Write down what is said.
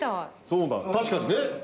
そうだ確かにね。